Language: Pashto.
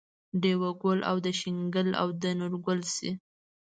دېوه ګل او د شیګل او د نورګل سي